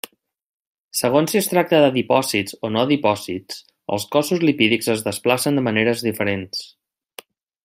Segons si es tracta d'adipòcits o no-adipòcits, els cossos lipídics es desplacen de maneres diferents.